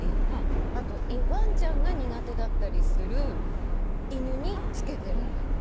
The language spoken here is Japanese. あとワンちゃんが苦手だったりする犬につけてるんだって。